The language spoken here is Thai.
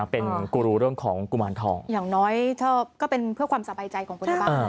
เป็นกูรูเรื่องของกุมารทองอย่างน้อยก็เป็นเพื่อความสบายใจของคนในบ้าน